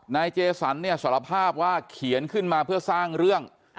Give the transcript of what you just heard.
นายเจสันเนี่ยสารภาพว่าเขียนขึ้นมาเพื่อสร้างเรื่อง